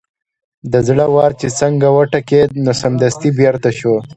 د زړه ور چې څنګه وټکېد نو سمدستي بېرته شو.